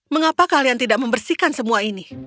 mengapa kalian tidak membersihkan semua ini